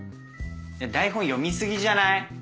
台本読み過ぎじゃない？